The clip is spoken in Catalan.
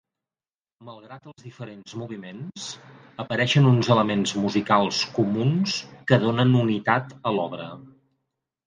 Malgrat els diferents moviments, apareixen uns elements musicals comuns que donen unitat a l'obra.